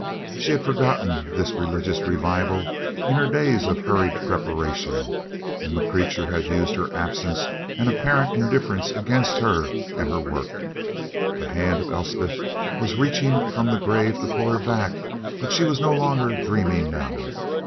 She had forgotten this religious revival in her days of hurried preparation, and the preacher had used her absence and apparent indifference against her and her work. The hand of Elspeth was reaching from the grave to pull her back; but she was no longer dreaming now.